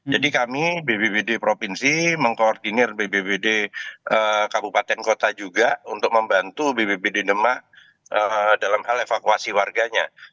jadi kami bbbd provinsi mengkoordinir bbbd kabupaten kota juga untuk membantu bbbd nema dalam hal evakuasi warganya